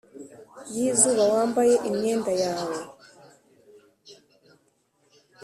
y'izuba wambaye imyenda yawe.